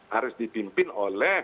harus dipimpin oleh